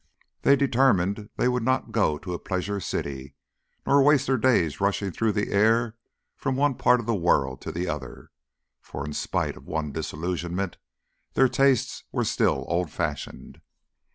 They determined they would not go to a Pleasure city nor waste their days rushing through the air from one part of the world to the other, for in spite of one disillusionment, their tastes were still old fashioned.